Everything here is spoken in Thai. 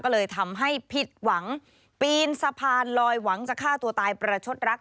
ก็เลยทำให้ผิดหวังปีนสะพานลอยหวังจะฆ่าตัวตายประชดรัก